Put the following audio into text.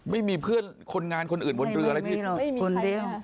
ไม่มีเพื่อนคนงานคนอื่นบนเรืออะไรพี่หรอกคนเดียว